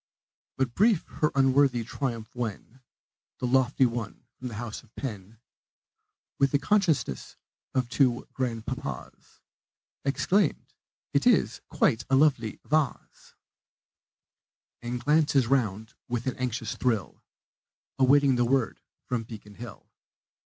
But brief her unworthy triumph when The lofty one from the house of Penn, With the consciousness of two grandpapas, Exclaims, "It is quite a lovely vahs!" And glances round with an anxious thrill, Awaiting the word of Beacon Hill.